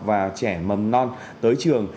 và trẻ mầm non tới trường